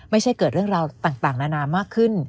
เกิดเรื่องราวต่างนานามากขึ้น